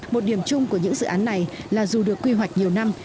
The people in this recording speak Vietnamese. một điểm chung của những dự án này là dù được quy hoạch nhiều năm